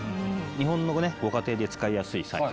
日本のご家庭で使いやすいサイズ。